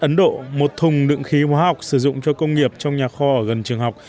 ấn độ một thùng đựng khí hóa học sử dụng cho công nghiệp trong nhà kho ở gần trường học